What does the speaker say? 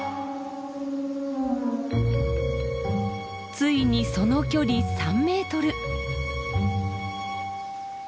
ついにその距離３メートル！